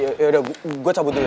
yaudah gua cabut dulu ya